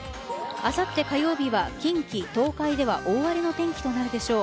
あさって火曜日は近畿、東海では大荒れの天気となるでしょう。